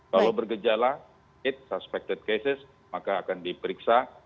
kalau bergejala it suspected cases maka akan diperiksa